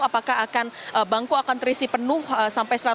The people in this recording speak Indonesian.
apakah akan bangku akan terisi penuh sampai tahun baru